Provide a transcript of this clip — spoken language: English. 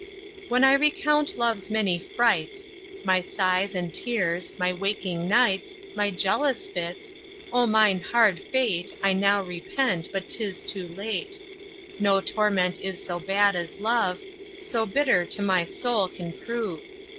When I recount love's many frights, My sighs and tears, my waking nights, My jealous fits; O mine hard fate I now repent, but 'tis too late. No torment is so bad as love, So bitter to my soul can prove.